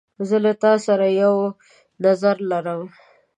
زه له تا سره یو نظر لرم.